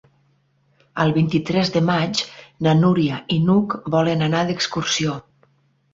El vint-i-tres de maig na Núria i n'Hug volen anar d'excursió.